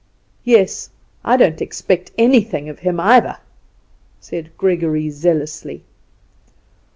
"Yes; I don't expect anything of him either," said Gregory, zealously.